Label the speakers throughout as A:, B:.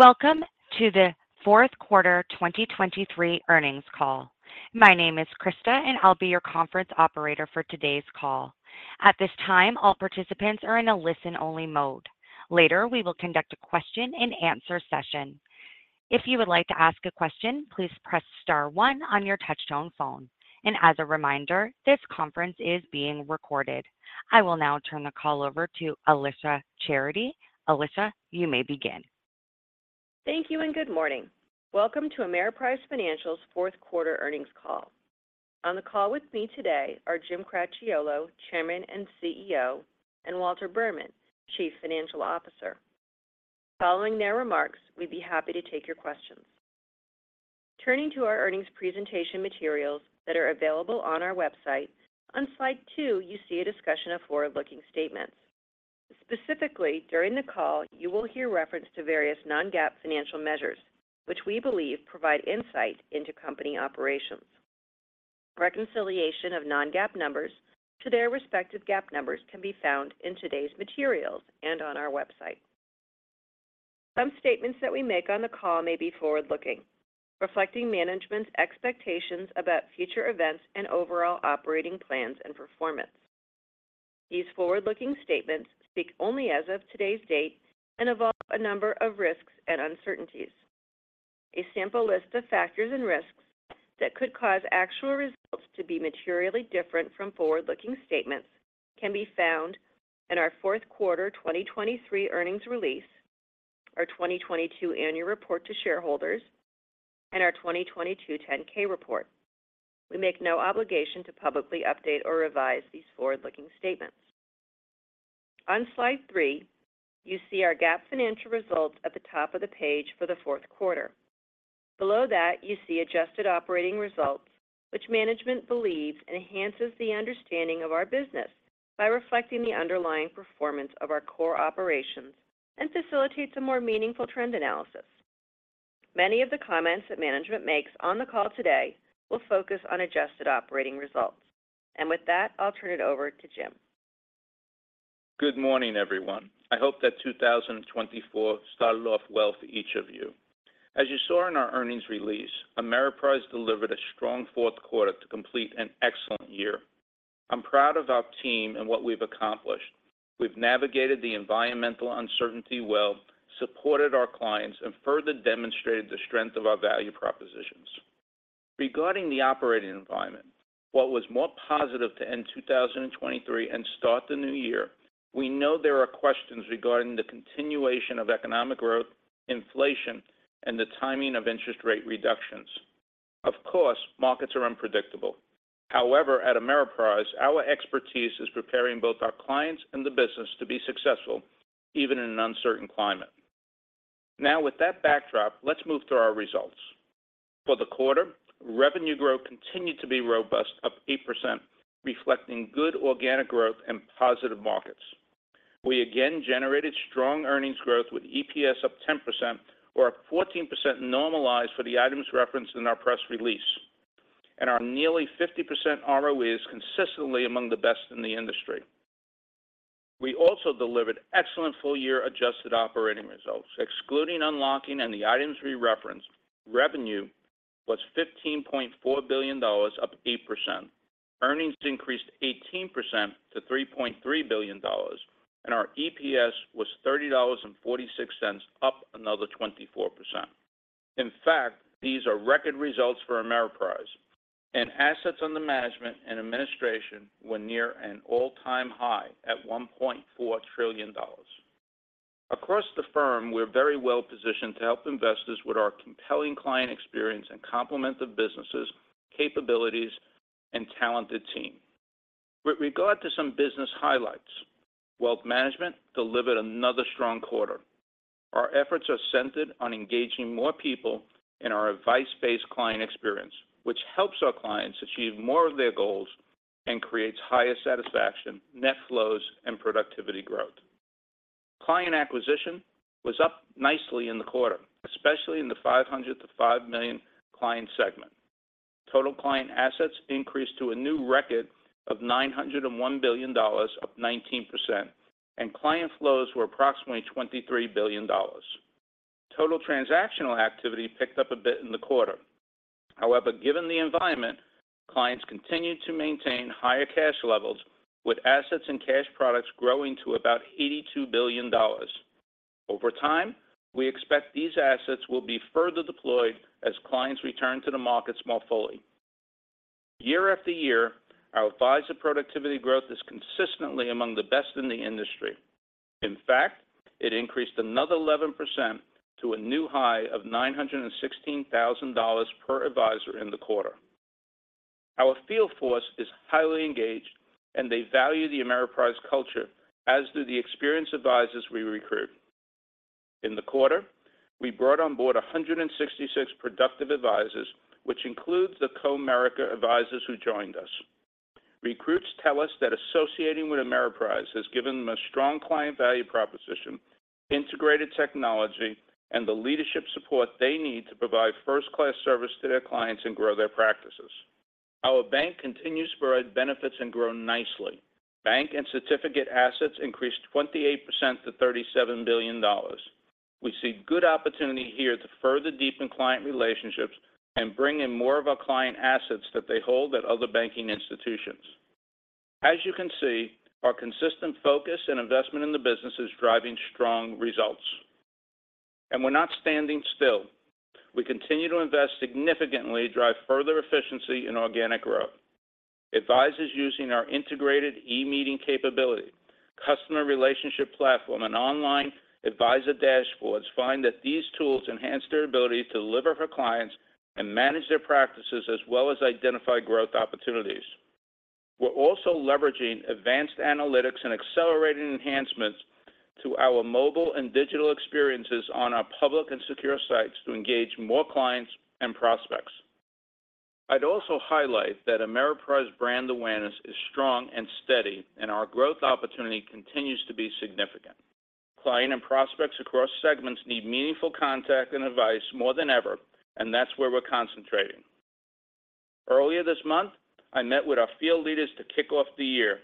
A: Welcome to the fourth quarter 2023 earnings call. My name is Krista, and I'll be your conference operator for today's call. At this time, all participants are in a listen-only mode. Later, we will conduct a question-and-answer session. If you would like to ask a question, please press star one on your touchtone phone. As a reminder, this conference is being recorded. I will now turn the call over to Alicia Charity. Alicia, you may begin.
B: Thank you, and good morning. Welcome to Ameriprise Financial's fourth quarter earnings call. On the call with me today are Jim Cracchiolo, Chairman and CEO, and Walter Berman, Chief Financial Officer. Following their remarks, we'd be happy to take your questions. Turning to our earnings presentation materials that are available on our website, on slide 2, you see a discussion of forward-looking statements. Specifically, during the call, you will hear reference to various non-GAAP financial measures, which we believe provide insight into company operations. Reconciliation of non-GAAP numbers to their respective GAAP numbers can be found in today's materials and on our website. Some statements that we make on the call may be forward-looking, reflecting management's expectations about future events and overall operating plans and performance. These forward-looking statements speak only as of today's date and involve a number of risks and uncertainties. A sample list of factors and risks that could cause actual results to be materially different from forward-looking statements can be found in our fourth quarter 2023 earnings release, our 2022 Annual Report to Shareholders, and our 2022 10-K report. We make no obligation to publicly update or revise these forward-looking statements. On slide 3, you see our GAAP financial results at the top of the page for the fourth quarter. Below that, you see adjusted operating results, which management believes enhances the understanding of our business by reflecting the underlying performance of our core operations and facilitates a more meaningful trend analysis. Many of the comments that management makes on the call today will focus on adjusted operating results. With that, I'll turn it over to Jim.
C: Good morning, everyone. I hope that 2024 started off well for each of you. As you saw in our earnings release, Ameriprise delivered a strong fourth quarter to complete an excellent year. I'm proud of our team and what we've accomplished. We've navigated the environmental uncertainty well, supported our clients, and further demonstrated the strength of our value propositions. Regarding the operating environment, while it was more positive to end 2023 and start the new year, we know there are questions regarding the continuation of economic growth, inflation, and the timing of interest rate reductions. Of course, markets are unpredictable. However, at Ameriprise, our expertise is preparing both our clients and the business to be successful, even in an uncertain climate. Now, with that backdrop, let's move to our results. For the quarter, revenue growth continued to be robust, up 8%, reflecting good organic growth and positive markets. We again generated strong earnings growth, with EPS up 10% or up 14% normalized for the items referenced in our press release, and our nearly 50% ROE is consistently among the best in the industry. We also delivered excellent full-year adjusted operating results. Excluding unlocking and the items we referenced, revenue was $15.4 billion, up 8%. Earnings increased 18% to $3.3 billion, and our EPS was $30.46, up another 24%. In fact, these are record results for Ameriprise, and assets under management and administration were near an all-time high at $1.4 trillion. Across the firm, we're very well-positioned to help investors with our compelling client experience and complement of businesses, capabilities, and talented team. With regard to some business highlights, wealth management delivered another strong quarter. Our efforts are centered on engaging more people in our advice-based client experience, which helps our clients achieve more of their goals and creates higher satisfaction, net flows, and productivity growth. Client acquisition was up nicely in the quarter, especially in the 500 to 5 million client segments. Total client assets increased to a new record of $901 billion, up 19%, and client flows were approximately $23 billion. Total transactional activity picked up a bit in the quarter. However, given the environment, clients continued to maintain higher cash levels, with assets and cash products growing to about $82 billion. Over time, we expect these assets will be further deployed as clients return to the markets more fully. Year after year, our advisor productivity growth is consistently among the best in the industry. In fact, it increased another 11% to a new high of $916,000 per advisor in the quarter. Our field force is highly engaged, and they value the Ameriprise culture, as do the experienced advisors we recruit. In the quarter, we brought on board 166 productive advisors, which includes the Comerica advisors who joined us. Recruits tell us that associating with Ameriprise has given them a strong client value proposition, integrated technology, and the leadership support they need to provide first-class service to their clients and grow their practices. Our bank continues to spread benefits and grow nicely. Bank and certificate assets increased 28% to $37 billion. We see good opportunity here to further deepen client relationships and bring in more of our client assets that they hold at other banking institutions. As you can see, our consistent focus and investment in the business is driving strong results, and we're not standing still. We continue to invest significantly to drive further efficiency and organic growth. Advisors using our integrated e-meeting capability, customer relationship platform, and online advisor dashboards find that these tools enhance their ability to deliver for clients and manage their practices, as well as identify growth opportunities. We're also leveraging advanced analytics and accelerating enhancements to our mobile and digital experiences on our public and secure sites to engage more clients and prospects. I'd also highlight that Ameriprise brand awareness is strong and steady, and our growth opportunity continues to be significant. Client and prospects across segments need meaningful contact and advice more than ever, and that's where we're concentrating. Earlier this month, I met with our field leaders to kick off the year.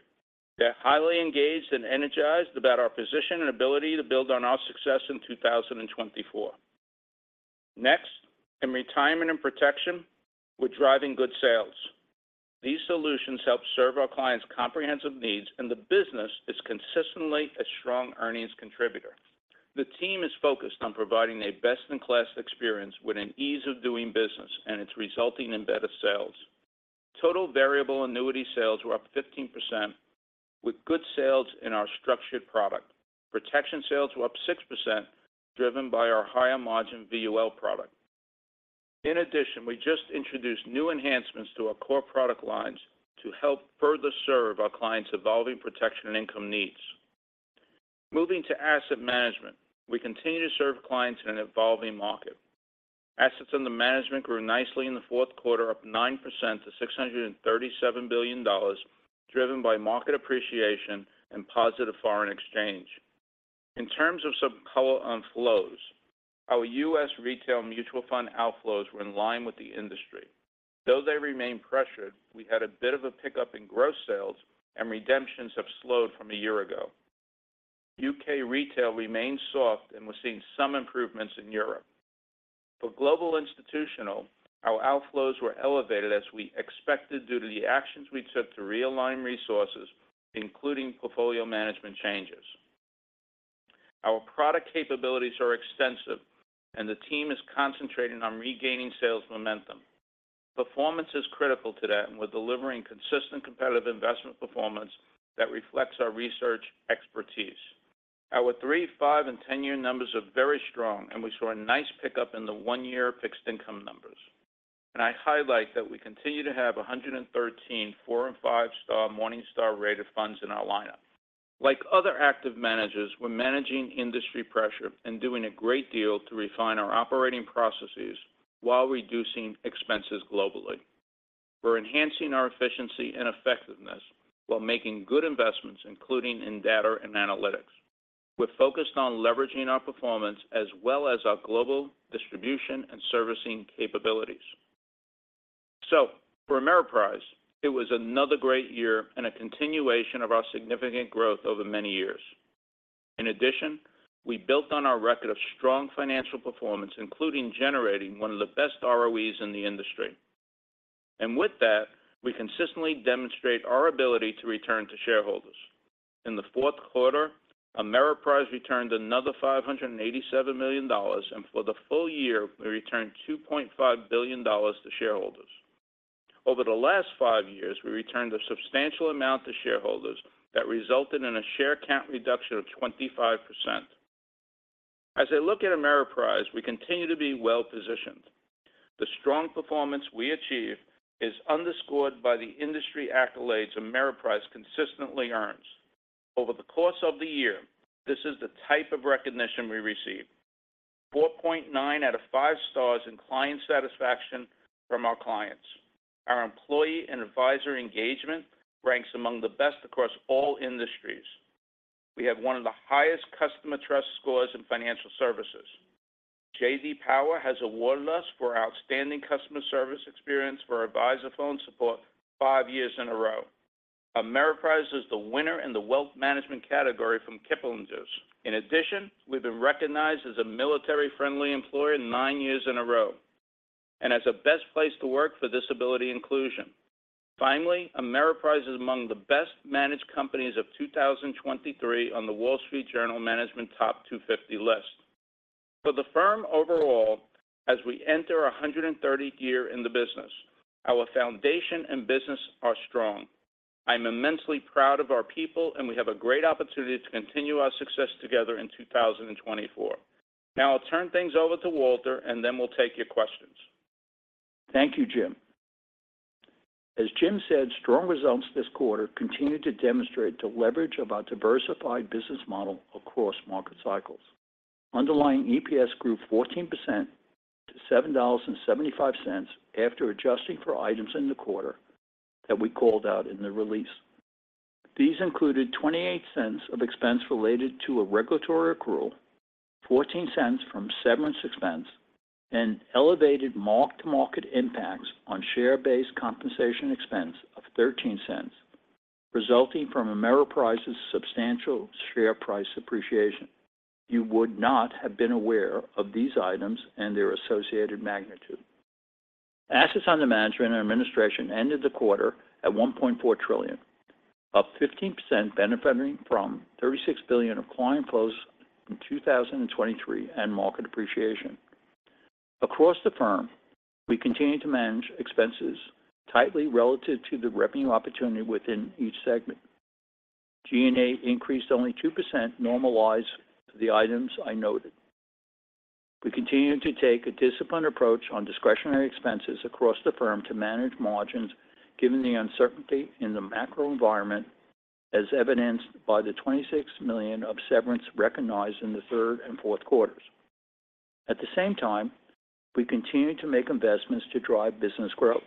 C: They're highly engaged and energized about our position and ability to build on our success in 2024. Next, in retirement and protection, we're driving good sales. These solutions help serve our clients' comprehensive needs, and the business is consistently a strong earnings contributor. The team is focused on providing a best-in-class experience with an ease of doing business, and it's resulting in better sales. Total variable annuity sales were up 15%, with good sales in our structured product. Protection sales were up 6%, driven by our higher-margin VUL product. In addition, we just introduced new enhancements to our core product lines to help further serve our clients' evolving protection and income needs. Moving to asset management, we continue to serve clients in an evolving market. Assets Under Management grew nicely in the fourth quarter, up 9% to $637 billion, driven by market appreciation and positive foreign exchange. In terms of some color on flows, our U.S. retail mutual fund outflows were in line with the industry. Though they remain pressured, we had a bit of a pickup in gross sales, and redemptions have slowed from a year ago. U.K. retail remains soft, and we're seeing some improvements in Europe. For global institutional, our outflows were elevated, as we expected, due to the actions we took to realign resources, including portfolio management changes. Our product capabilities are extensive, and the team is concentrating on regaining sales momentum. Performance is critical to that, and we're delivering consistent competitive investment performance that reflects our research expertise. Our 3-, 5-, and 10-year numbers are very strong, and we saw a nice pickup in the 1-year fixed income numbers. And I highlight that we continue to have 113 4- and 5-star Morningstar-rated funds in our lineup. Like other active managers, we're managing industry pressure and doing a great deal to refine our operating processes while reducing expenses globally. We're enhancing our efficiency and effectiveness while making good investments, including in data and analytics. We're focused on leveraging our performance as well as our global distribution and servicing capabilities. So, for Ameriprise, it was another great year and a continuation of our significant growth over many years. In addition, we built on our record of strong financial performance, including generating one of the best ROEs in the industry. And with that, we consistently demonstrate our ability to return to shareholders. In the fourth quarter, Ameriprise returned another $587 million, and for the full year, we returned $2.5 billion to shareholders. Over the last 5 years, we returned a substantial amount to shareholders that resulted in a share count reduction of 25%. As I look at Ameriprise, we continue to be well-positioned. The strong performance we achieve is underscored by the industry accolades Ameriprise consistently earns. Over the course of the year, this is the type of recognition we received: 4.9 out of 5 stars in client satisfaction from our clients. Our employee and advisor engagement ranks among the best across all industries. We have one of the highest customer trust scores in financial services. J.D. Power has awarded us for outstanding customer service experience for our advisor phone support 5 years in a row. Ameriprise is the winner in the wealth management category from Kiplinger's. In addition, we've been recognized as a military-friendly employer 9 years in a row and as a best place to work for disability inclusion. Finally, Ameriprise is among the best-managed companies of 2023 on the Wall Street Journal Management Top 250 list. For the firm overall, as we enter our 130th year in the business, our foundation and business are strong. I'm immensely proud of our people, and we have a great opportunity to continue our success together in 2024. Now, I'll turn things over to Walter, and then we'll take your questions.
D: Thank you, Jim. As Jim said, strong results this quarter continued to demonstrate the leverage of our diversified business model across market cycles. Underlying EPS grew 14% to $7.75 after adjusting for items in the quarter that we called out in the release. These included $0.28 of expense related to a regulatory accrual, $0.14 from severance expense, and elevated mark-to-market impacts on share-based compensation expense of $0.13, resulting from Ameriprise's substantial share price appreciation. You would not have been aware of these items and their associated magnitude. Assets under management and administration ended the quarter at $1.4 trillion, up 15%, benefiting from $36 billion of client flows in 2023 and market appreciation. Across the firm, we continued to manage expenses tightly relative to the revenue opportunity within each segment. G&A increased only 2%, normalized to the items I noted. We continued to take a disciplined approach on discretionary expenses across the firm to manage margins, given the uncertainty in the macro environment, as evidenced by the $26 million of severance recognized in the third and fourth quarters. At the same time, we continued to make investments to drive business growth,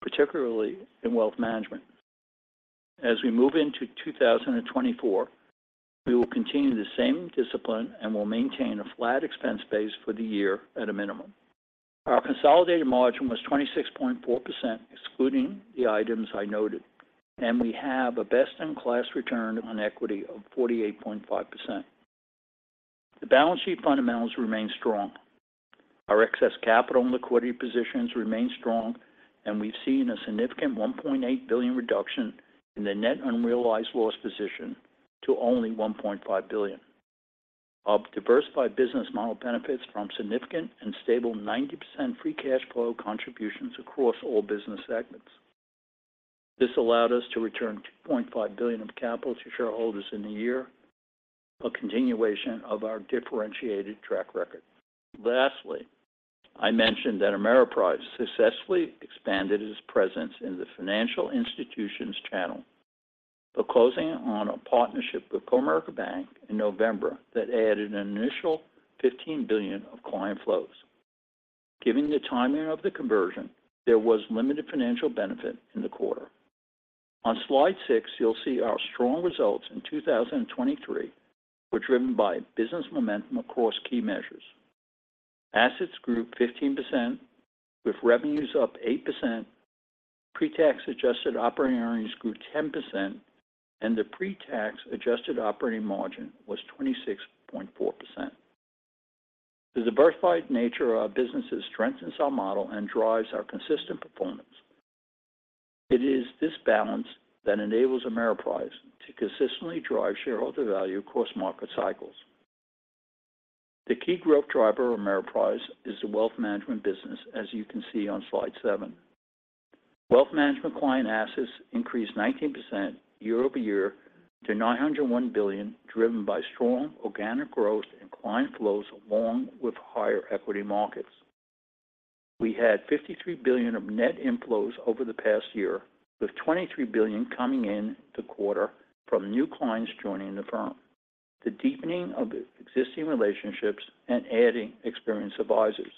D: particularly in wealth management. As we move into 2024, we will continue the same discipline and will maintain a flat expense base for the year at a minimum. Our consolidated margin was 26.4%, excluding the items I noted, and we have a best-in-class return on equity of 48.5%. The balance sheet fundamentals remain strong. Our excess capital and liquidity positions remain strong, and we've seen a significant $1.8 billion reduction in the net unrealized loss position to only $1.5 billion. Our diversified business model benefits from significant and stable 90% free cash flow contributions across all business segments. This allowed us to return $2.5 billion of capital to shareholders in the year, a continuation of our differentiated track record. Lastly, I mentioned that Ameriprise successfully expanded its presence in the financial institutions channel, but closing on a partnership with Comerica Bank in November that added an initial $15 billion of client flows. Given the timing of the conversion, there was limited financial benefit in the quarter. On slide six, you'll see our strong results in 2023 were driven by business momentum across key measures. Assets grew 15%, with revenues up 8%. Pre-tax adjusted operating earnings grew 10%, and the pre-tax adjusted operating margin was 26.4%. The diversified nature of our businesses strengthens our model and drives our consistent performance. It is this balance that enables Ameriprise to consistently drive shareholder value across market cycles. The key growth driver of Ameriprise is the wealth management business, as you can see on slide 7. Wealth management client assets increased 19% year-over-year to $901 billion, driven by strong organic growth and client flows, along with higher equity markets. We had $53 billion of net inflows over the past year, with $23 billion coming in the quarter from new clients joining the firm, the deepening of existing relationships, and adding experienced advisors.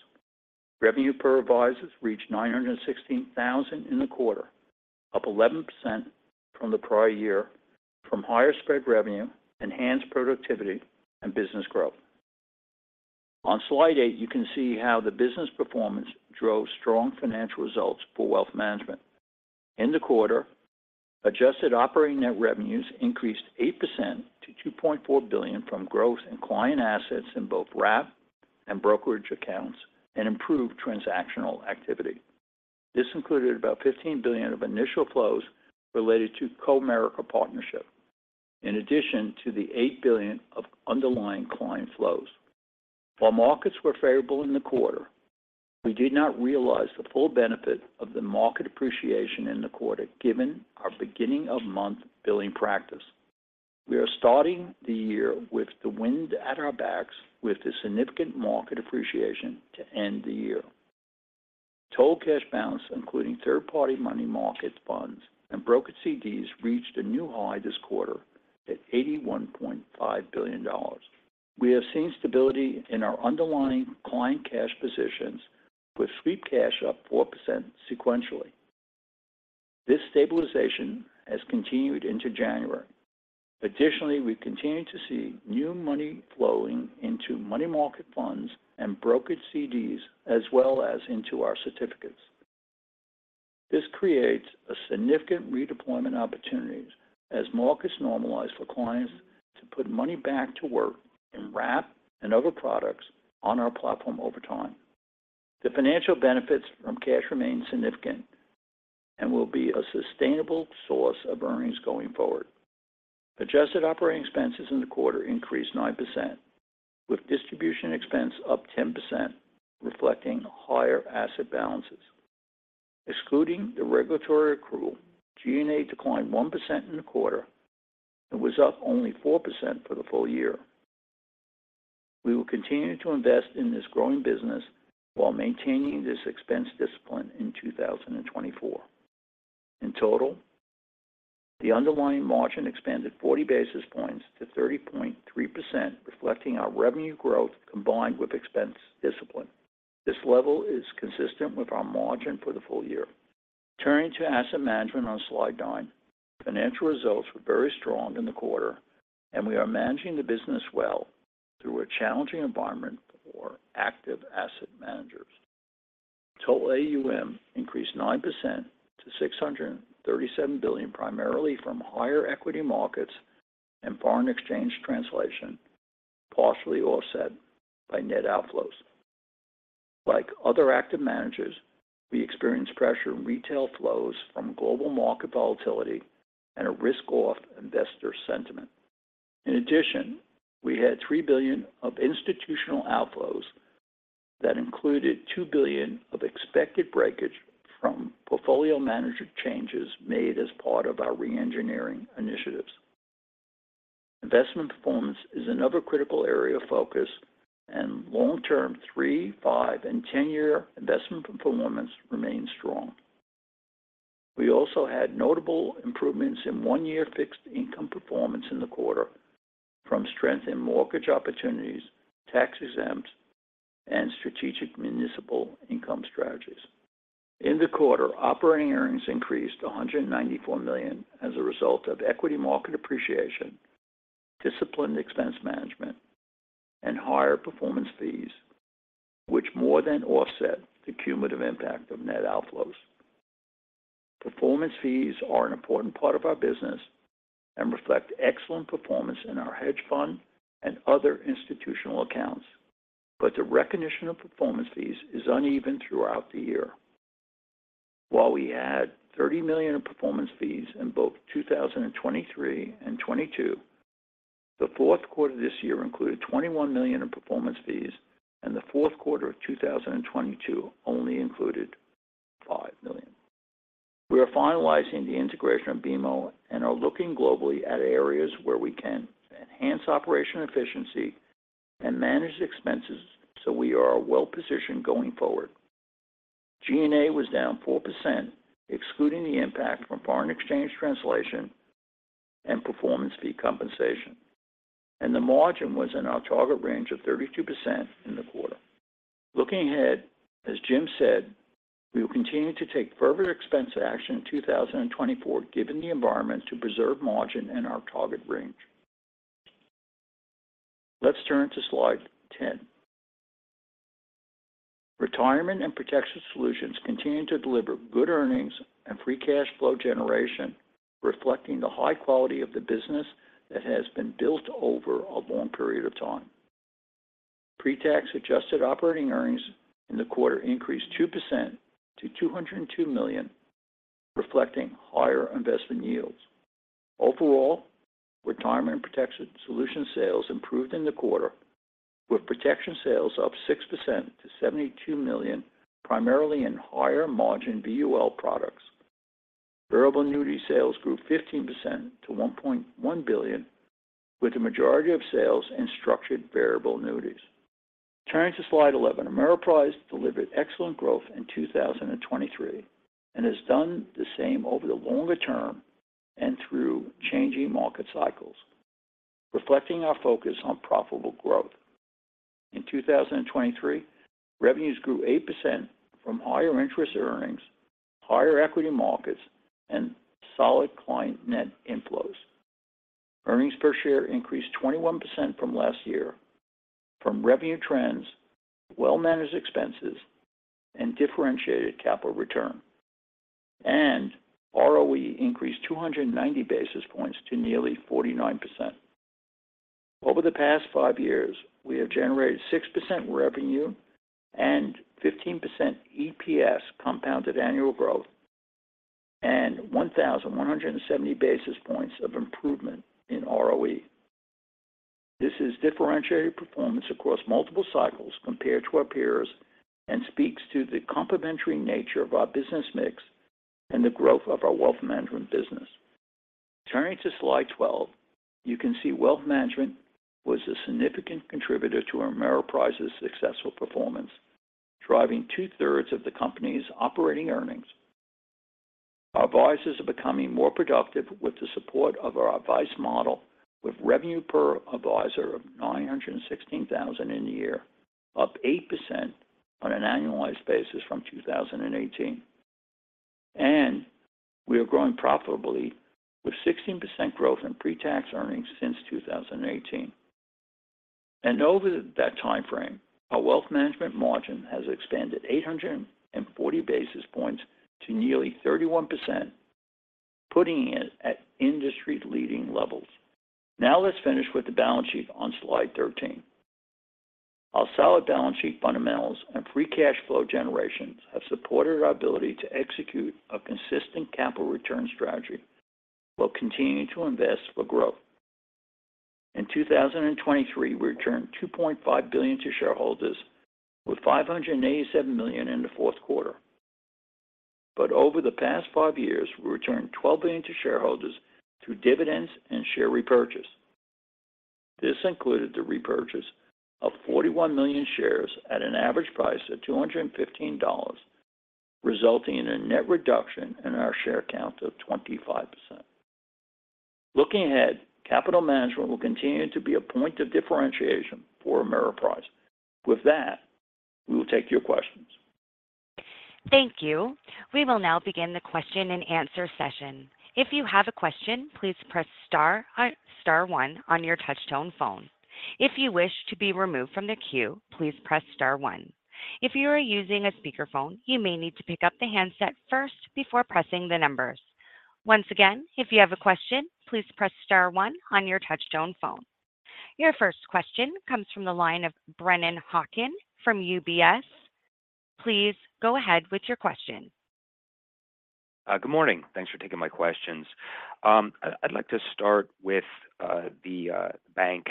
D: Revenue per advisors reached $916,000 in the quarter, up 11% from the prior year, from higher spread revenue, enhanced productivity, and business growth. On Slide 8, you can see how the business performance drove strong financial results for wealth management. In the quarter, adjusted operating net revenues increased 8% to $2.4 billion from growth in client assets in both wrap and brokerage accounts and improved transactional activity. This included about $15 billion of initial flows related to Comerica partnership, in addition to the $8 billion of underlying client flows. While markets were favorable in the quarter, we did not realize the full benefit of the market appreciation in the quarter, given our beginning of month billing practice. We are starting the year with the wind at our backs, with the significant market appreciation to end the year. Total cash balance, including third-party money market funds and brokered CDs, reached a new high this quarter at $81.5 billion. We have seen stability in our underlying client cash positions, with sweep cash up 4% sequentially. This stabilization has continued into January. Additionally, we continue to see new money flowing into money market funds and brokered CDs, as well as into our certificates. This creates a significant redeployment opportunity as markets normalize for clients to put money back to work in wrap and other products on our platform over time. The financial benefits from cash remain significant and will be a sustainable source of earnings going forward. Adjusted operating expenses in the quarter increased 9%, with distribution expense up 10%, reflecting higher asset balances. Excluding the regulatory accrual, G&A declined 1% in the quarter and was up only 4% for the full year. We will continue to invest in this growing business while maintaining this expense discipline in 2024. In total, the underlying margin expanded 40 basis points to 30.3%, reflecting our revenue growth combined with expense discipline.... This level is consistent with our margin for the full year. Turning to asset management on slide 9, financial results were very strong in the quarter, and we are managing the business well through a challenging environment for active asset managers. Total AUM increased 9% to $637 billion, primarily from higher equity markets and foreign exchange translation, partially offset by net outflows. Like other active managers, we experienced pressure in retail flows from global market volatility and a risk-off investor sentiment. In addition, we had $3 billion of institutional outflows that included $2 billion of expected breakage from portfolio management changes made as part of our reengineering initiatives. Investment performance is another critical area of focus, and long-term three-, five-, and 10-year investment performance remains strong. We also had notable improvements in one-year fixed income performance in the quarter from strength in mortgage opportunities, tax-exempt, and strategic municipal income strategies. In the quarter, operating earnings increased to $194 million as a result of equity market appreciation, disciplined expense management, and higher performance fees, which more than offset the cumulative impact of net outflows. Performance fees are an important part of our business and reflect excellent performance in our hedge fund and other institutional accounts. But the recognition of performance fees is uneven throughout the year. While we had $30 million in performance fees in both 2023 and 2022, the fourth quarter this year included $21 million in performance fees, and the fourth quarter of 2022 only included $5 million. We are finalizing the integration of BMO and are looking globally at areas where we can enhance operational efficiency and manage expenses, so we are well-positioned going forward. G&A was down 4%, excluding the impact from foreign exchange translation and performance fee compensation, and the margin was in our target range of 32% in the quarter. Looking ahead, as Jim said, we will continue to take further expense action in 2024, given the environment to preserve margin in our target range. Let's turn to slide 10. Retirement and protection solutions continue to deliver good earnings and free cash flow generation, reflecting the high quality of the business that has been built over a long period of time. Pre-tax adjusted operating earnings in the quarter increased 2% to $202 million, reflecting higher investment yields. Overall, retirement protection solution sales improved in the quarter, with protection sales up 6% to $72 million, primarily in higher-margin VUL products. Variable annuity sales grew 15% to $1.1 billion, with the majority of sales in structured variable annuities. Turning to slide 11, Ameriprise delivered excellent growth in 2023 and has done the same over the longer term and through changing market cycles, reflecting our focus on profitable growth. In 2023, revenues grew 8% from higher interest earnings, higher equity markets, and solid client net inflows. Earnings per share increased 21% from last year from revenue trends, well-managed expenses, and differentiated capital return, and ROE increased 290 basis points to nearly 49%. Over the past 5 years, we have generated 6% revenue and 15% EPS compounded annual growth and 1,170 basis points of improvement in ROE. This is differentiated performance across multiple cycles compared to our peers and speaks to the complementary nature of our business mix and the growth of our wealth management business. Turning to slide 12, you can see wealth management was a significant contributor to Ameriprise's successful performance, driving two-thirds of the company's operating earnings. Our advisors are becoming more productive with the support of our advice model, with revenue per advisor of $916,000 in the year, up 8% on an annualized basis from 2018. We are growing profitably, with 16% growth in pre-tax earnings since 2018. Over that timeframe, our wealth management margin has expanded 840 basis points to nearly 31%, putting it at industry-leading levels. Now, let's finish with the balance sheet on slide 13. Our solid balance sheet fundamentals and free cash flow generations have supported our ability to execute a consistent capital return strategy while continuing to invest for growth. In 2023, we returned $2.5 billion to shareholders, with $587 million in the fourth quarter. But over the past five years, we returned $12 billion to shareholders through dividends and share repurchase. This included the repurchase of 41 million shares at an average price of $215, resulting in a net reduction in our share count of 25%.... Looking ahead, capital management will continue to be a point of differentiation for Ameriprise. With that, we will take your questions.
A: Thank you. We will now begin the question-and-answer session. If you have a question, please press star, star one on your touchtone phone. If you wish to be removed from the queue, please press* 1. If you are using a speakerphone, you may need to pick up the handset first before pressing the numbers. Once again, if you have a question, please press * 1 on your touchtone phone. Your first question comes from the line of Brennan Hawken from UBS. Please go ahead with your question.
E: Good morning. Thanks for taking my questions. I'd like to start with the bank.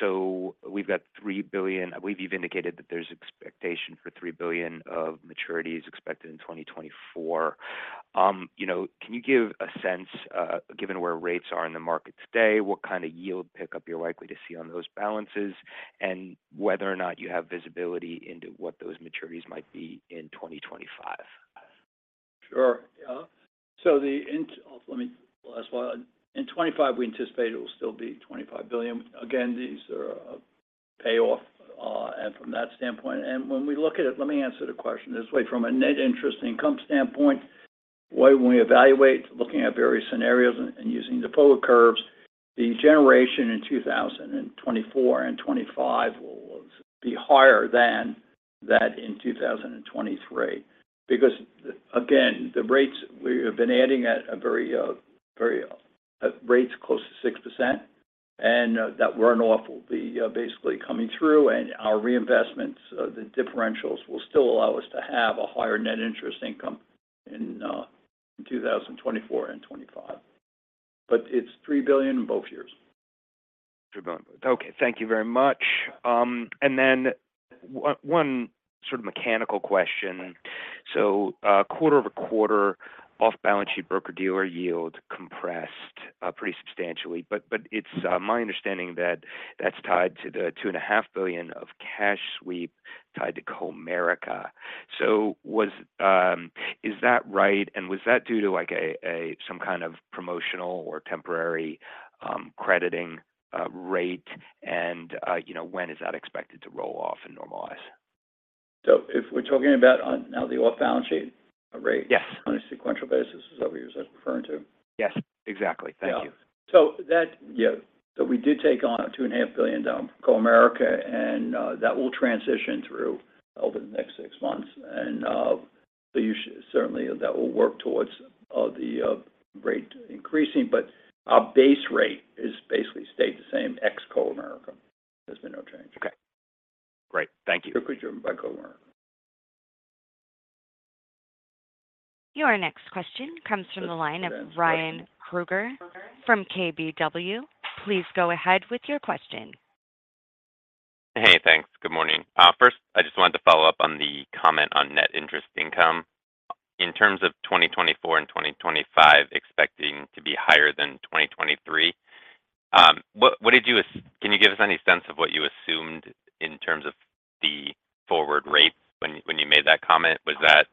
E: So we've got $3 billion—I believe you've indicated that there's expectation for $3 billion of maturities expected in 2024. You know, can you give a sense, given where rates are in the market today, what kind of yield pickup you're likely to see on those balances? And whether or not you have visibility into what those maturities might be in 2025?
D: Sure. Yeah. So Let me, last one. In 2025, we anticipate it will still be $25 billion. Again, these are a payoff, and from that standpoint. And when we look at it. Let me answer the question this way. From a net interest income standpoint, the way we evaluate, looking at various scenarios and using the forward curves, the generation in 2024 and 2025 will be higher than that in 2023. Because, again, the rates we have been adding at a very, very rates close to 6%, and that run off will be basically coming through. And our reinvestments, the differentials will still allow us to have a higher net interest income in 2024 and 2025. But it's $3 billion in both years.
E: $3 billion. Okay, thank you very much. And then one sort of mechanical question. So, quarter-over-quarter, off-balance-sheet broker-dealer yield compressed pretty substantially, but it's my understanding that that's tied to the $2.5 billion of cash sweep tied to Comerica. So, was, Is that right? And was that due to, like, a some kind of promotional or temporary, crediting rate? And, you know, when is that expected to roll off and normalize?
D: If we're talking about now the off-balance sheet rate-
E: Yes
D: On a sequential basis, is that what you're referring to?
E: Yes, exactly.
D: Yeah.
E: Thank you.
D: Yeah, so we did take on $2.5 billion down from Comerica, and that will transition through over the next six months. And so you certainly, that will work towards the rate increasing, but our base rate is basically stayed the same, ex-Comerica. There's been no change.
E: Okay. Great. Thank you.
D: It's driven by Comerica.
A: Your next question comes from the line of Ryan Kruger from KBW. Please go ahead with your question.
F: Hey, thanks. Good morning. First, I just wanted to follow up on the comment on net interest income. In terms of 2024 and 2025 expecting to be higher than 2023, what did you assume? Can you give us any sense of what you assumed in terms of the forward rate when you made that comment? Was that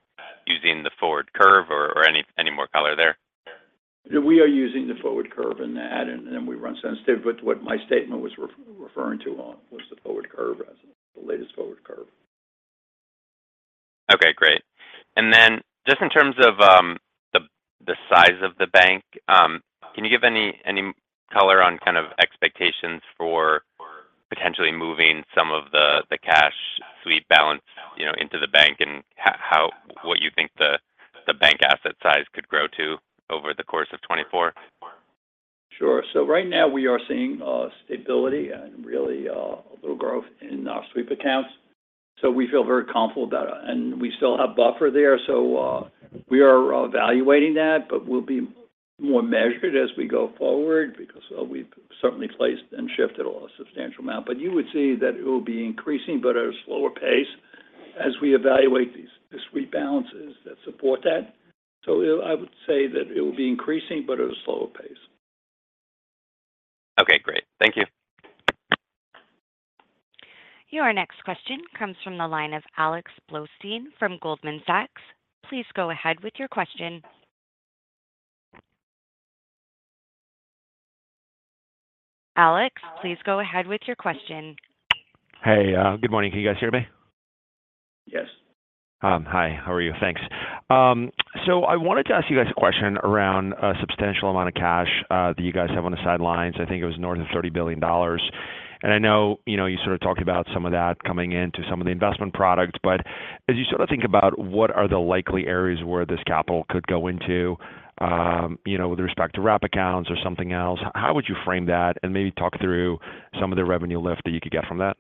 F: using the forward curve or any more color there?
D: We are using the forward curve in that, and we run sensitivities. But what my statement was referring to was the forward curve, the latest forward curve.
F: Okay, great. And then just in terms of the size of the bank, can you give any color on kind of expectations for potentially moving some of the cash sweep balance, you know, into the bank and how, what you think the bank asset size could grow to over the course of 2024?
D: Sure. So right now, we are seeing stability and really a little growth in our sweep accounts, so we feel very confident about it. And we still have buffer there, so we are evaluating that, but we'll be more measured as we go forward because we've certainly placed and shifted a substantial amount. But you would see that it will be increasing, but at a slower pace, as we evaluate these, the sweep balances that support that. So, I would say that it will be increasing, but at a slower pace.
F: Okay, great. Thank you.
A: Your next question comes from the line of Alex Blostein from Goldman Sachs. Please go ahead with your question. Alex, please go ahead with your question.
G: Hey, good morning. Can you guys hear me?
D: Yes.
G: Hi, how are you? Thanks. I wanted to ask you guys a question around a substantial amount of cash that you guys have on the sidelines. I think it was north of $30 billion. I know, you know, you sort of talked about some of that coming into some of the investment products, but as you sort of think about what are the likely areas where this capital could go into, you know, with respect to wrap accounts or something else, how would you frame that? And maybe talk through some of the revenue lift that you could get from that.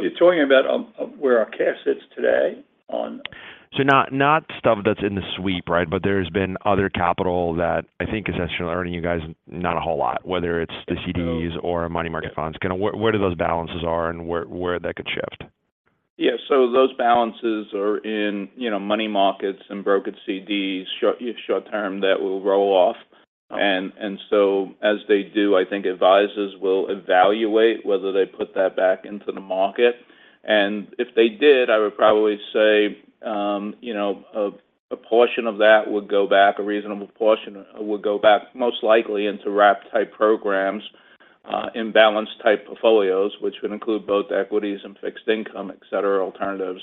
D: You're talking about, where our cash sits today on-
G: So not stuff that's in the sweep, right? But there's been other capital that I think is actually earning you guys not a whole lot, whether it's the CDs-
D: So-
G: or money market funds. Kind of where those balances are and where that could shift?
D: Yeah. So those balances are in, you know, money markets and brokered CDs, short term, that will roll off. And so, as they do, I think advisors will evaluate whether they put that back into the market. And if they did, I would probably say, you know, a portion of that would go back, a reasonable portion would go back, most likely into wrap-type programs, in balanced-type portfolios, which would include both equities and fixed income, et cetera, alternatives.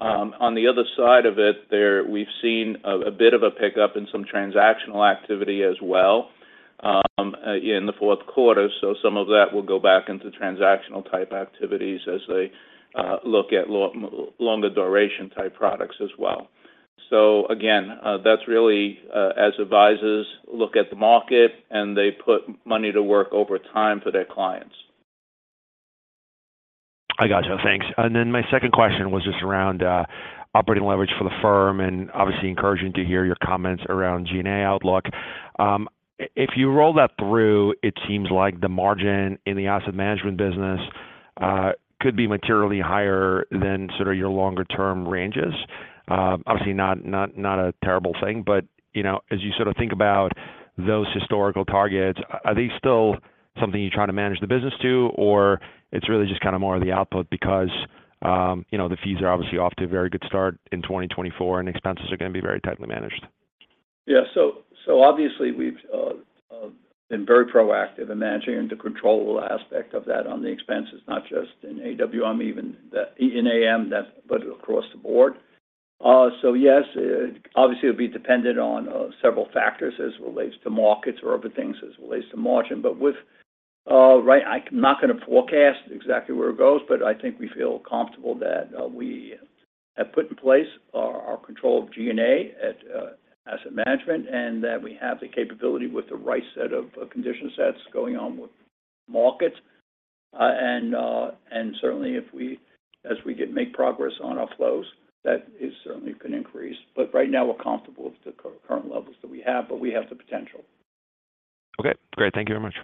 D: On the other side of it, we've seen a bit of a pickup in some transactional activity as well, in the fourth quarter. So, some of that will go back into transactional-type activities as they look at longer duration-type products as well. So again, that's really, as advisors look at the market and they put money to work over time for their clients.
G: I got you. Thanks. And then my second question was just around operating leverage for the firm, and obviously encouraging to hear your comments around G&A outlook. If you roll that through, it seems like the margin in the asset management business could be materially higher than sort of your longer term ranges. Obviously not a terrible thing, but you know, as you sort of think about those historical targets, are they still something you try to manage the business to, or it's really just kind of more of the output because you know, the fees are obviously off to a very good start in 2024, and expenses are going to be very tightly managed?
D: Yeah. So, so obviously, we've been very proactive in managing the controllable aspect of that on the expenses, not just in AWM, even in AM, but across the board. So yes, obviously, it'll be dependent on several factors as it relates to markets or other things as it relates to margin. But with right, I'm not going to forecast exactly where it goes, but I think we feel comfortable that we have put in place our control of G&A at asset management, and that we have the capability with the right set of condition sets going on with markets. And certainly, if we as we make progress on outflows, that is certainly going to increase. But right now, we're comfortable with the current levels that we have, but we have the potential.
G: Okay, great. Thank you very much.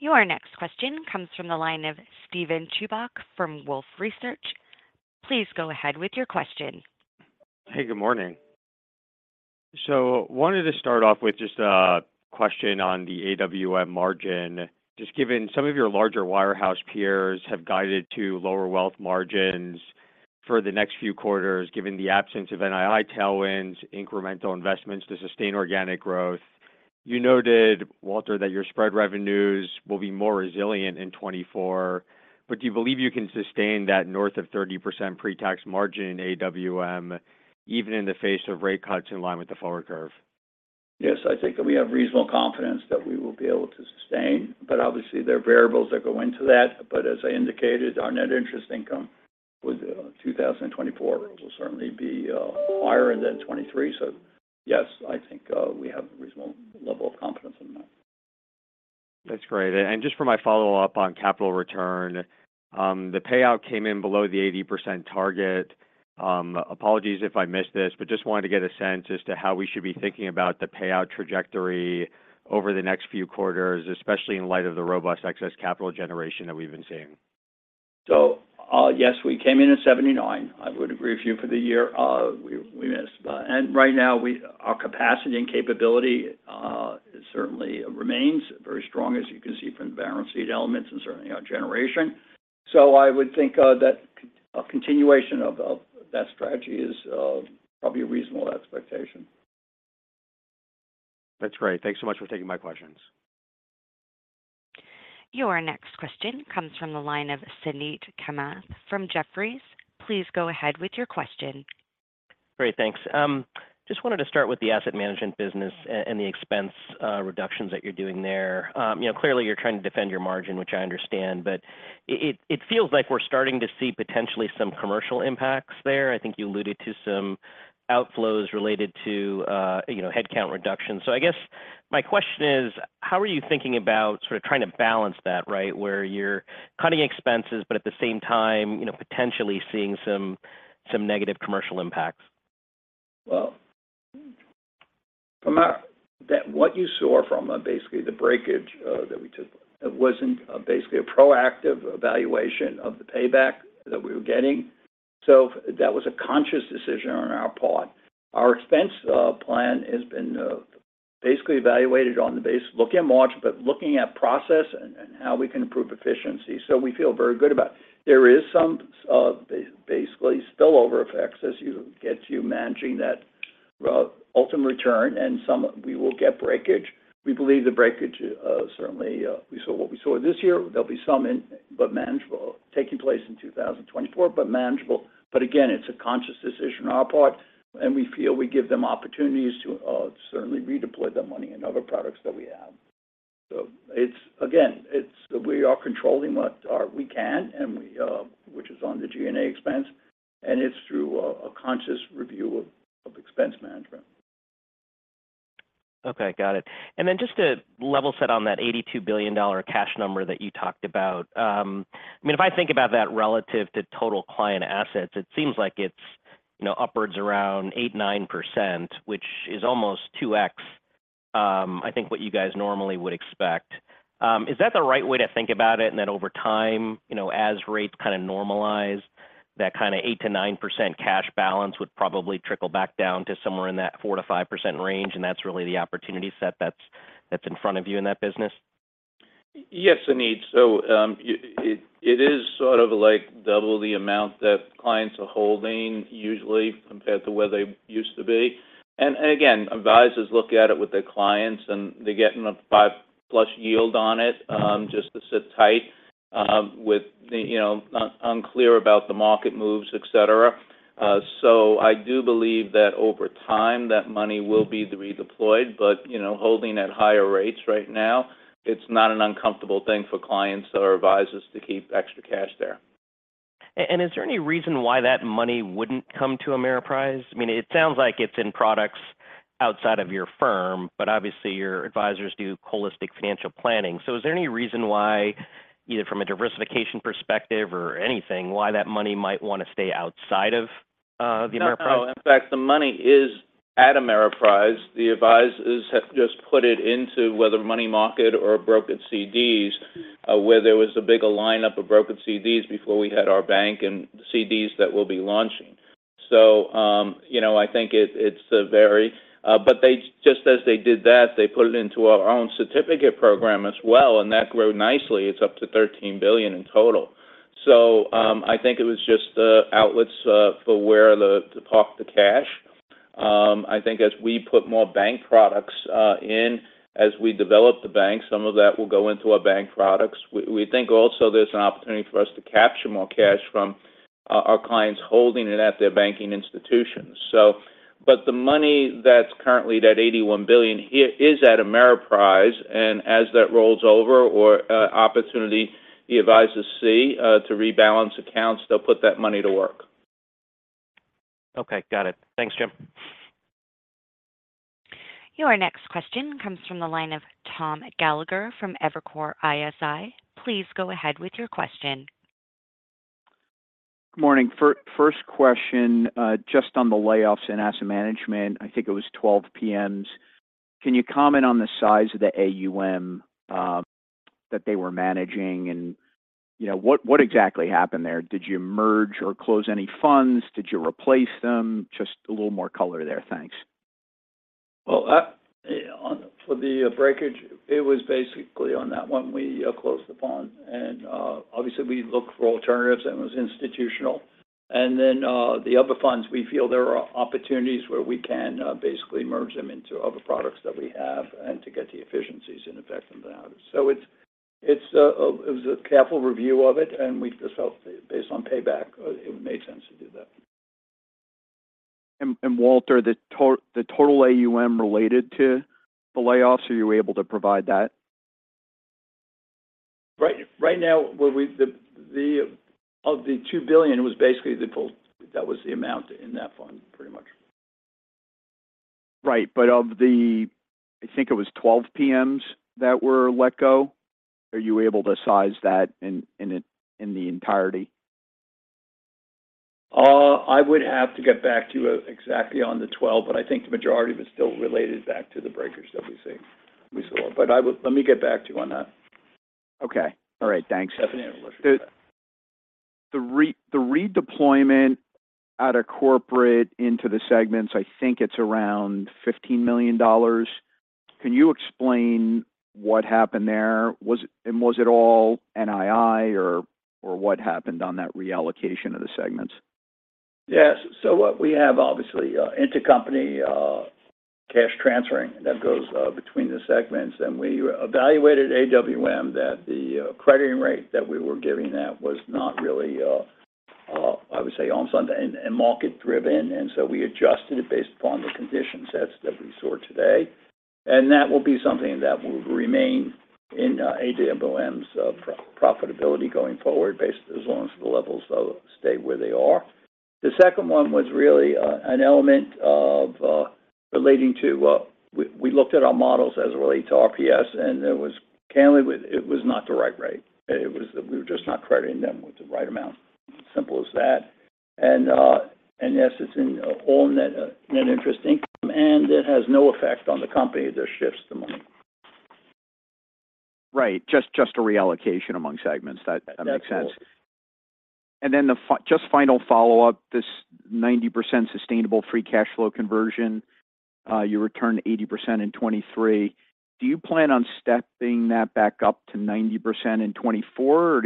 A: Your next question comes from the line of Steven Chubak from Wolfe Research. Please go ahead with your question.
H: Hey, good morning. So wanted to start off with just a question on the AWM margin. Just given some of your larger wirehouse peers have guided to lower wealth margins for the next few quarters, given the absence of NII tailwinds, incremental investments to sustain organic growth. You noted, Walter, that your spread revenues will be more resilient in 2024, but do you believe you can sustain that north of 30% pretax margin in AWM, even in the face of rate cuts in line with the forward curve?
D: Yes, I think that we have reasonable confidence that we will be able to sustain, but obviously, there are variables that go into that. But as I indicated, our net interest income with 2024 will certainly be higher than 2023. So yes, I think we have a reasonable level of confidence in that.
H: That's great. Just for my follow-up on capital return, the payout came in below the 80% target. Apologies if I missed this, but just wanted to get a sense as to how we should be thinking about the payout trajectory over the next few quarters, especially in light of the robust excess capital generation that we've been seeing.
D: So, yes, we came in at 79. I would agree with you for the year, we missed. But and right now, our capacity and capability certainly remains very strong, as you can see from the balance sheet elements and certainly our generation. So I would think, that a continuation of that strategy is probably a reasonable expectation.
H: That's great. Thanks so much for taking my questions.
A: Your next question comes from the line of Suneet Kamath from Jefferies. Please go ahead with your question.
I: Great, thanks. Just wanted to start with the asset management business and the expense reductions that you're doing there. You know, clearly you're trying to defend your margin, which I understand, but it feels like we're starting to see potentially some commercial impacts there. I think you alluded to some outflows related to, you know, headcount reduction. So I guess my question is: how are you thinking about sort of trying to balance that, right? Where you're cutting expenses, but at the same time, you know, potentially seeing some negative commercial impacts.
D: Well, from our that what you saw from, basically the breakage that we took, it wasn't basically a proactive evaluation of the payback that we were getting. So that was a conscious decision on our part. Our expense plan has been basically evaluated on the base, looking at margin, but looking at process and how we can improve efficiency. So we feel very good about it. There is some basically spillover effects as you get to managing that ultimate return, and some we will get breakage. We believe the breakage certainly we saw what we saw this year. There'll be some in, but manageable, taking place in 2024, but manageable. But again, it's a conscious decision on our part, and we feel we give them opportunities to certainly redeploy the money in other products that we have. So it's, again, it's we are controlling what we can, and we which is on the G&A expense, and it's through a conscious review of expense management.
I: Okay, got it. And then just to level set on that $82 billion cash number that you talked about, I mean, if I think about that relative to total client assets, it seems like it's, you know, upwards around 8-9%, which is almost 2x what you guys normally would expect. Is that the right way to think about it? And then over time, you know, as rates kind of normalize, that kind of 8-9% cash balance would probably trickle back down to somewhere in that 4-5% range, and that's really the opportunity set that's in front of you in that business?
D: Yes, Suneet. So, it is sort of like double the amount that clients are holding usually compared to where they used to be. And again, advisors look at it with their clients, and they're getting a 5+ yield on it, just to sit tight, with the, you know, unclear about the market moves, et cetera. So, I do believe that over time, that money will be redeployed, but, you know, holding at higher rates right now, it's not an uncomfortable thing for clients or advisors to keep extra cash there. And is there any reason why that money wouldn't come to Ameriprise? I mean, it sounds like it's in products outside of your firm, but obviously, your advisors do holistic financial planning. So is there any reason why, either from a diversification perspective or anything, why that money might want to stay outside of the Ameriprise? No. In fact, the money is at Ameriprise. The advisors have just put it into whether money market or brokered CDs, where there was a bigger lineup of brokered CDs before we had our bank and CDs that we'll be launching. So, you know, I think it, but they just as they did that, they put it into our own certificate program as well, and that grew nicely. It's up to $13 billion in total. So, I think it was just the outlets for where to park the cash. I think as we put more bank products in, as we develop the bank, some of that will go into our bank products. We think also there's an opportunity for us to capture more cash from our clients holding it at their banking institutions. The money that's currently that $81 billion is at Ameriprise, and as that rolls over or opportunity the advisors see to rebalance accounts, they'll put that money to work.
I: Okay, got it. Thanks, Jim.
A: Your next question comes from the line of Tom Gallagher from Evercore ISI. Please go ahead with your question.
J: Good morning. First question, just on the layoffs in asset management. I think it was 12 PMs. Can you comment on the size of the AUM that they were managing? And, you know, what exactly happened there? Did you merge or close any funds? Did you replace them? Just a little more color there. Thanks.
D: Well, for the breakage, it was basically on that one we closed the fund. And obviously, we looked for alternatives, and it was institutional. And then the other funds, we feel there are opportunities where we can basically merge them into other products that we have and to get the efficiencies and effect from that. So it was a careful review of it, and we just felt based on payback it made sense to do that.
J: Walter, the total AUM related to the layoffs, are you able to provide that?
D: Right, right now, what we—the $2 billion was basically the full. That was the amount in that fund, pretty much.
J: Right. But of the, I think it was 12 PMs that were let go, are you able to size that in the entirety?
D: I would have to get back to you exactly on the 12, but I think the majority was still related back to the breakers that we saw. But I will, let me get back to you on that.
J: Okay. All right, thanks.
D: Definitely.
J: The redeployment out of corporate into the segments, I think it's around $15 million. Can you explain what happened there? And was it all NII or, or what happened on that reallocation of the segments?
D: Yes. So what we have, obviously, intercompany cash transferring that goes between the segments, and we evaluated AWM, that the crediting rate that we were giving that was not really, I would say, on sound and market driven. And so we adjusted it based upon the condition sets that we saw today. And that will be something that will remain in AWM's profitability going forward, basically, as long as the levels stay where they are. The second one was really an element of relating to... We, we looked at our models as it relate to RPS, and it was candidly, it was not the right rate. It was-- We were just not crediting them with the right amount. Simple as that. Yes, it's in all net interest income, and it has no effect on the company. It just shifts the money.
J: Right. Just a reallocation among segments.
D: That's it.
J: That makes sense. Then the final follow-up, this 90% sustainable free cash flow conversion, you returned 80% in 2023. Do you plan on stepping that back up to 90% in 2024, or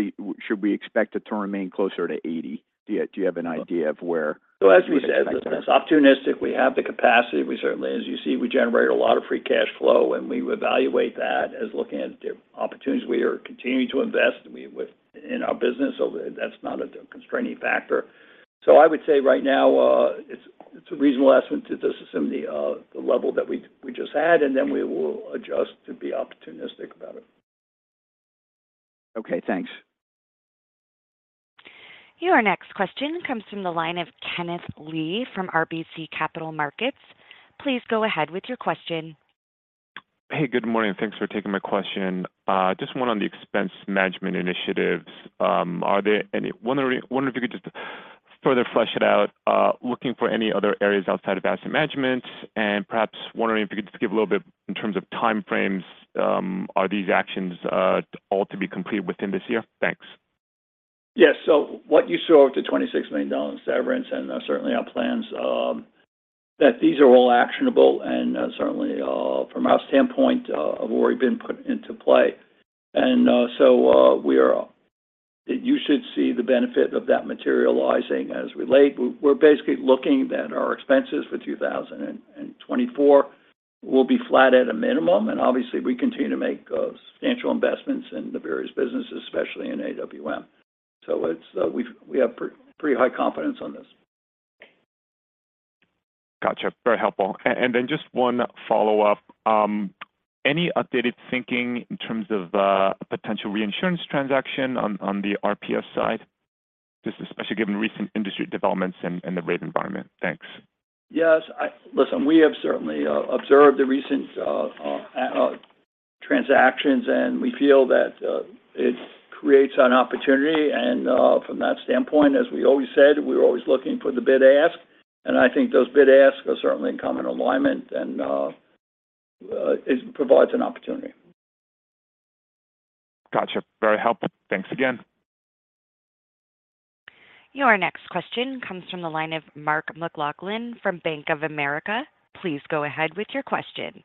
J: should we expect it to remain closer to 80%? Do you have an idea of where-
D: So, as we said, it's opportunistic. We have the capacity. We certainly, as you see, we generate a lot of free cash flow, and we evaluate that as looking at the opportunities. We are continuing to invest within our business, so that's not a constraining factor. So, I would say right now, it's a reasonable estimate to just assume the level that we just had, and then we will adjust to be opportunistic about it.
J: Okay, thanks.
A: Your next question comes from the line of Kenneth Lee from RBC Capital Markets. Please go ahead with your question.
K: Hey, good morning, and thanks for taking my question. Just one on the expense management initiatives. Are there any... wonder if you could just-... further flesh it out, looking for any other areas outside of asset management, and perhaps wondering if you could just give a little bit in terms of time frames, are these actions, all to be completed within this year? Thanks.
D: Yes. So, what you saw with the $26 million severance, and certainly our plans that these are all actionable, and certainly from our standpoint have already been put into play. And so, you should see the benefit of that materializing as we late. We're basically looking that our expenses for 2024 will be flat at a minimum, and obviously we continue to make substantial investments in the various businesses, especially in AWM. So, we have pretty high confidence on this.
K: Gotcha. Very helpful. And then just one follow-up. Any updated thinking in terms of potential reinsurance transaction on the RPS side? Just especially given recent industry developments and the rate environment. Thanks.
D: Yes, listen, we have certainly observed the recent transactions, and we feel that it creates an opportunity, and from that standpoint, as we always said, we're always looking for the bid ask, and I think those bid asks are certainly come in alignment, and it provides an opportunity.
K: Gotcha. Very helpful. Thanks again.
A: Your next question comes from the line of Mark McLaughlin from Bank of America. Please go ahead with your question.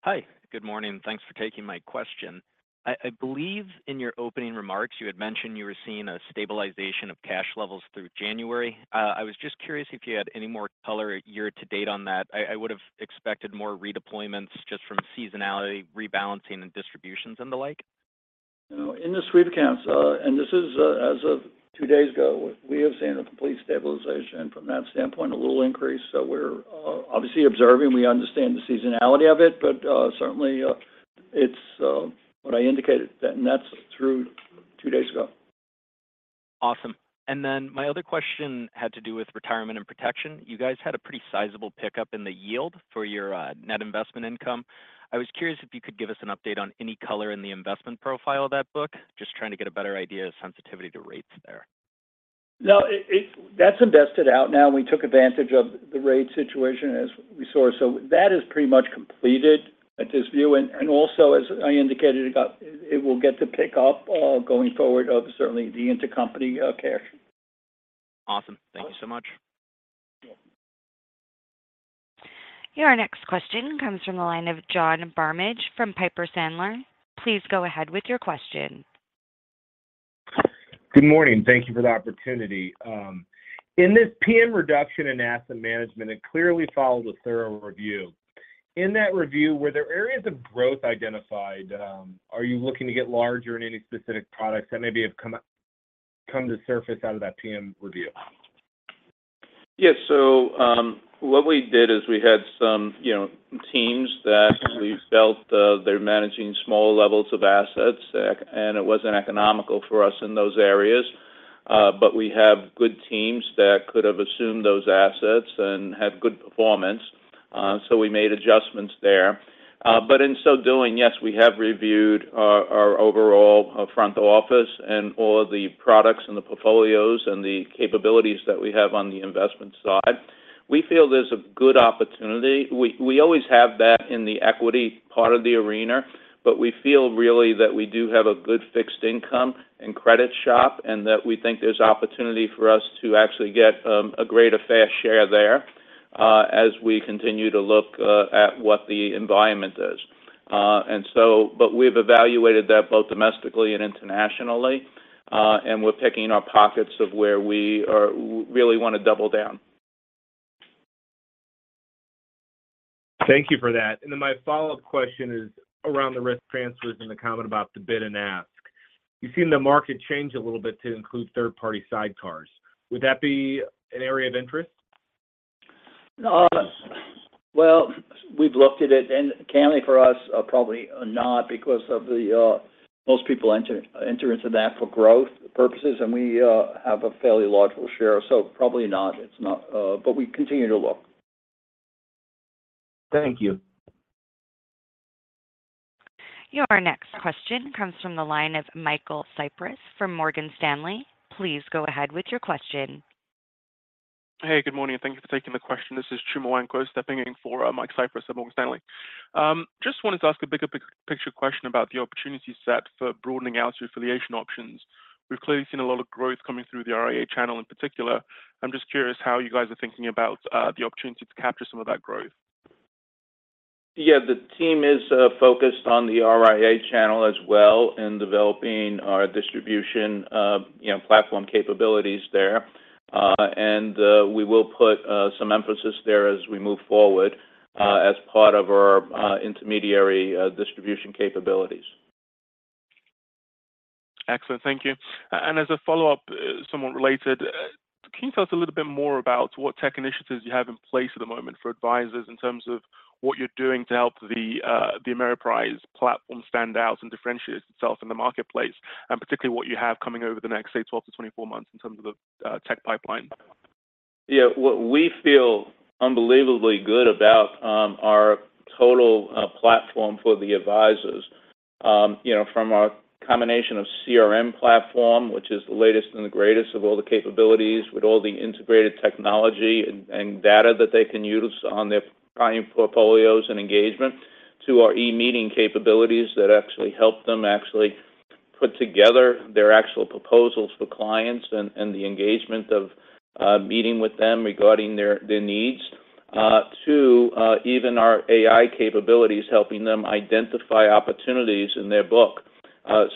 L: Hi, good morning, and thanks for taking my question. I believe in your opening remarks, you had mentioned you were seeing a stabilization of cash levels through January. I was just curious if you had any more color year to date on that. I would have expected more redeployments just from seasonality, rebalancing, and distributions, and the like.
D: In the sweep accounts, and this is as of two days ago, we have seen a complete stabilization from that standpoint, a little increase. So, we're obviously observing. We understand the seasonality of it, but certainly, it's what I indicated, that and that's through two days ago.
L: Awesome. And then my other question had to do with retirement and protection. You guys had a pretty sizable pickup in the yield for your net investment income. I was curious if you could give us an update on any color in the investment profile of that book. Just trying to get a better idea of sensitivity to rates there.
D: No, that's invested out now, and we took advantage of the rate situation as we saw. So that is pretty much completed at this view, and also, as I indicated, it will get the pickup going forward of certainly the intercompany cash.
L: Awesome. Thank you so much.
A: Your next question comes from the line of John Barnidge from Piper Sandler. Please go ahead with your question.
M: Good morning. Thank you for the opportunity. In this PM reduction in asset management, it clearly follows a thorough review. In that review, were there areas of growth identified? Are you looking to get larger in any specific products that maybe have come to surface out of that PM review?
D: Yes. So, what we did is we had some, you know, teams that we felt, they're managing small levels of assets, and it wasn't economical for us in those areas, but we have good teams that could have assumed those assets and have good performance, so we made adjustments there. But in so doing, yes, we have reviewed our overall front office and all the products and the portfolios and the capabilities that we have on the investment side. We feel there's a good opportunity. We always have that in the equity part of the arena, but we feel really that we do have a good fixed income and credit shop, and that we think there's opportunity for us to actually get a greater fair share there, as we continue to look at what the environment is. But we've evaluated that both domestically and internationally, and we're picking our pockets of where we really want to double down.
M: Thank you for that. My follow-up question is around the risk transfers and the comment about the bid and ask. You've seen the market change a little bit to include third-party sidecars. Would that be an area of interest?
D: Well, we've looked at it, and currently for us, probably not because of the most people enter into that for growth purposes, and we have a fairly large share, so probably not. It's not, but we continue to look.
M: Thank you.
A: Your next question comes from the line of Michael Cyprys from Morgan Stanley. Please go ahead with your question.
N: Hey, good morning, and thank you for taking the question. This is Chuma Nwankwo, stepping in for Michael Cyprys at Morgan Stanley. Just wanted to ask a bigger picture question about the opportunity set for broadening out your affiliation options. We've clearly seen a lot of growth coming through the RIA channel in particular. I'm just curious how you guys are thinking about the opportunity to capture some of that growth.
D: Yeah, the team is focused on the RIA channel as well in developing our distribution, you know, platform capabilities there, and we will put some emphasis there as we move forward, as part of our intermediary distribution capabilities.
N: Excellent. Thank you. As a follow-up, somewhat related, can you tell us a little bit more about what tech initiatives you have in place at the moment for advisors in terms of what you're doing to help the Ameriprise platform stand out and differentiate itself in the marketplace, and particularly what you have coming over the next, say, 12-24 months in terms of the tech pipeline?...
C: Yeah, what we feel unbelievably good about, our total platform for the advisors. You know, from our combination of CRM platform, which is the latest and the greatest of all the capabilities, with all the integrated technology and data that they can use on their client portfolios and engagement, to our e-meeting capabilities that actually help them actually put together their actual proposals for clients and the engagement of meeting with them regarding their needs, to even our AI capabilities, helping them identify opportunities in their book.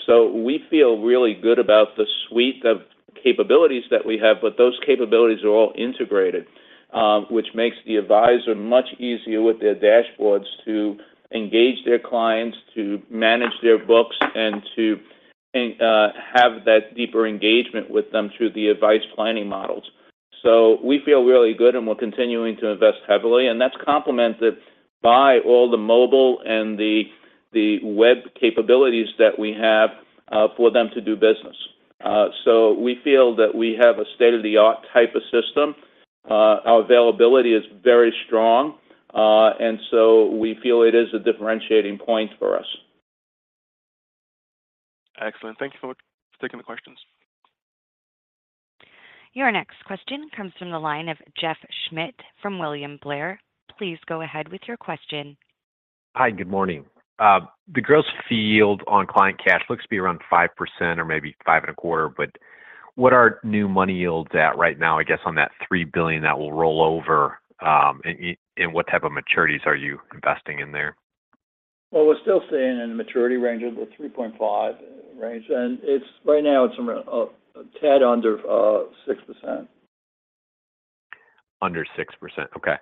C: So we feel really good about the suite of capabilities that we have, but those capabilities are all integrated, which makes the advisor much easier with their dashboards to engage their clients, to manage their books, and to have that deeper engagement with them through the advice planning models. So we feel really good, and we're continuing to invest heavily, and that's complemented by all the mobile and the web capabilities that we have, for them to do business. So we feel that we have a state-of-the-art type of system. Our availability is very strong, and so we feel it is a differentiating point for us.
H: Excellent. Thank you for taking the questions.
A: Your next question comes from the line of Jeff Schmitt from William Blair. Please go ahead with your question.
O: Hi, good morning. The gross yield on client cash looks to be around 5% or maybe 5.25%, but what are new money yields at right now, I guess, on that $3 billion that will roll over, and what type of maturities are you investing in there?
C: Well, we're still staying in the maturity range of the 3.5 range, and it's... Right now, it's around, a tad under, 6%.
O: Under 6%, okay.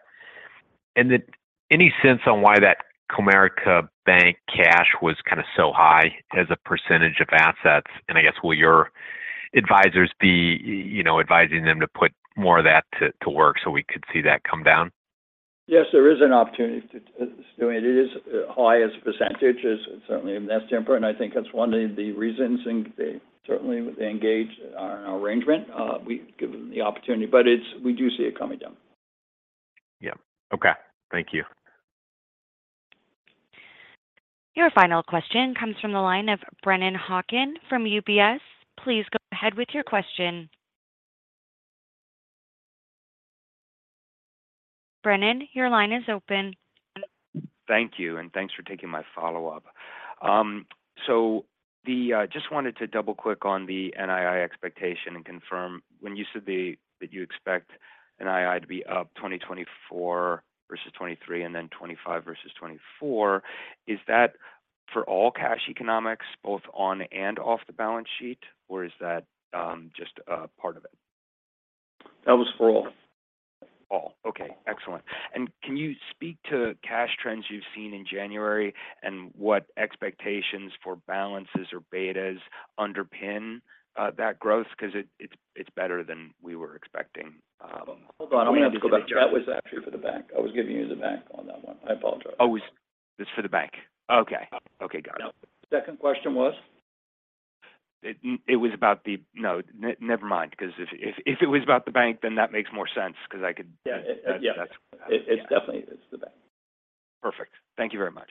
O: And then any sense on why that Comerica Bank cash was kind of so high as a percentage of assets? And I guess, will your advisors be, you know, advising them to put more of that to work so we could see that come down?
C: Yes, there is an opportunity to do it. It is high as a percentage, is certainly, and that's important. I think that's one of the reasons, and they certainly engage on an arrangement. We give them the opportunity, but it's- we do see it coming down.
O: Yeah. Okay. Thank you.
A: Your final question comes from the line of Brennan Hawken from UBS. Please go ahead with your question. Brennan, your line is open.
E: Thank you, and thanks for taking my follow-up. So just wanted to double-click on the NII expectation and confirm when you said that you expect NII to be up 2024 versus 2023 and then 2025 versus 2024, is that for all cash economics, both on and off the balance sheet, or is that just a part of it?
C: That was for all.
E: All right. Okay, excellent. Can you speak to cash trends you've seen in January and what expectations for balances or betas underpin that growth? Because it's better than we were expecting.
C: Hold on, I'm going to have to go back. That was actually for the bank. I was giving you the bank on that one. I apologize.
E: Oh, it's for the bank. Okay. Okay, got it.
C: Second question was?
E: It was about the... No, never mind, because if it was about the bank, then that makes more sense, 'cause I could-
C: Yeah.
E: That's, that's-
C: It definitely is the bank.
E: Perfect. Thank you very much.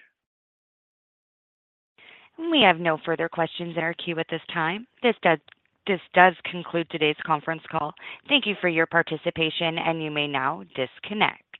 A: We have no further questions in our queue at this time. This does conclude today's conference call. Thank you for your participation, and you may now disconnect.